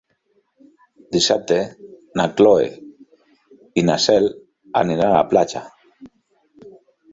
Dissabte na Cloè i na Cel aniran a la platja.